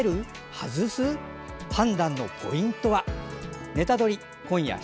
外す？判断のポイントは。